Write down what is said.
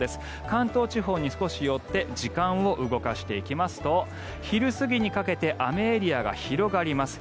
関東地方に少し寄って時間を動かしていきますと昼過ぎにかけて雨エリアが広がります。